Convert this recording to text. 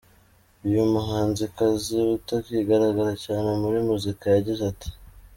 Uyu muhanzikazi utakigaragara cyane muri muzika, yagize ati:.